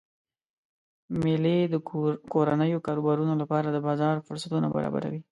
میلې د کورنیو کاروبارونو لپاره د بازار فرصتونه برابروي.